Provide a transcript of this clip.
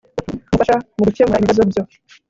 umufasha mu gukemura ibibazo byo